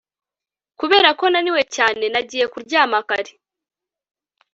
Kubera ko naniwe cyane nagiye kuryama kare